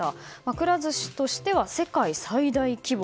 くら寿司としては世界最大規模。